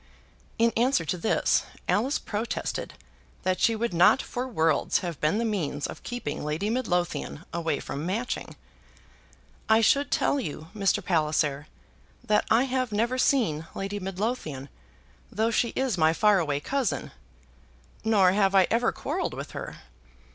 In answer to this, Alice protested that she would not for worlds have been the means of keeping Lady Midlothian away from Matching. "I should tell you, Mr. Palliser, that I have never seen Lady Midlothian, though she is my far away cousin. Nor have I ever quarrelled with her.